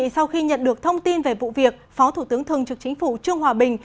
sau khi nhận được thông tin về vụ việc phó thủ tướng thường trực chính phủ trương hòa bình